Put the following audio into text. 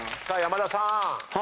さあ山田さん